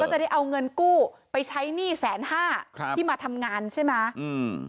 จะได้เอาเงินกู้ไปใช้หนี้แสนห้าครับที่มาทำงานใช่ไหมอืม